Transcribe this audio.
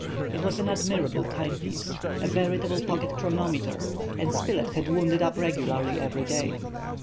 It was an admirable time piece, a veritable pocket chronometer, and Spilett had wound it up regularly every day.